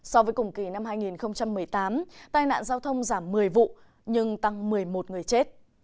so với cùng kỳ năm hai nghìn một mươi tám tai nạn giao thông giảm một mươi vụ nhưng tăng một mươi một người chết